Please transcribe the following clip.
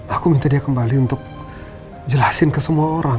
aku minta dia kembali untuk jelasin ke semua orang